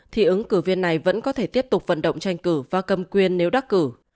thì ứng cử viên này vẫn có thể tiếp tục vận động tranh cử và cầm quyền nếu đắc cử